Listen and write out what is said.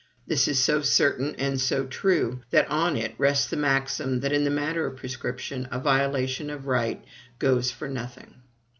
This is so certain and so true, that on it rests the maxim that in the matter of prescription a violation of right goes for nothing.